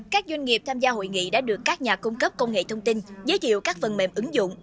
các doanh nghiệp tham gia hội nghị đã được các nhà cung cấp công nghệ thông tin giới thiệu các phần mềm ứng dụng